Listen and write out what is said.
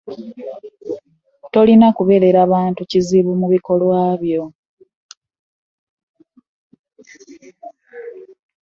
Tolina kuberera bantu kizibu mu bikolwa byo.